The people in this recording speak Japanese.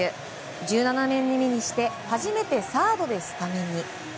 １７年目にして初めてサードでスタメンに。